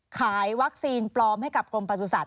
ขายวัคซีนปลอมให้กับกรมประสุทธิ